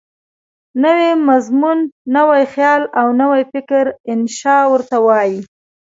نوی مضمون، نوی خیال او نوی فکر انشأ ورته وايي.